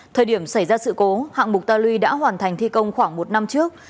thời điểm xảy ra sự cố hạng mục ta luy đã hoàn thành thi công khoảng một năm trước